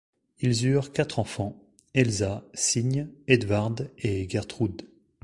Ils eurent quatre enfants: Elsa, Signe, Edvard, et Gertrud.